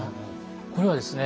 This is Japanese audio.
これはですね